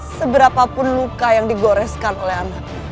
seberapapun luka yang digoreskan oleh anak